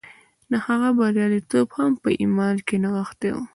د هغه بریالیتوب هم په ایمان کې نغښتی و